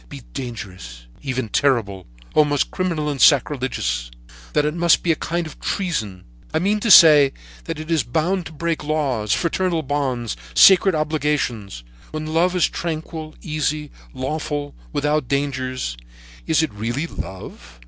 —be dangerous, even terrible, almost criminal and sacrilegious; that it must be a kind of treason; I mean to say that it is bound to break laws, fraternal bonds, sacred obligations; when love is tranquil, easy, lawful and without dangers, is it really love?'